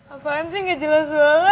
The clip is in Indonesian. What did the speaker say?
apaan sih gak jelas banget